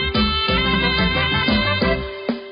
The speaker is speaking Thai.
มาร่าเพลง